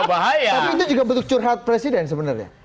tapi itu juga bentuk curhat presiden sebenarnya